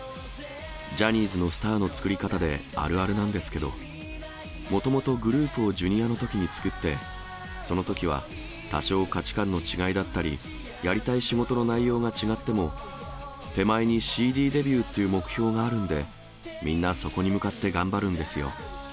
ジャニーズのスターの作り方で、あるあるなんですけれども、もともとグループをＪｒ．のときに作って、そのときは多少価値観の違いだったり、やりたい仕事の内容が違っても、手前にＣＤデビューっていう目標があるんで、みんなそこに向かって頑張るんですよ。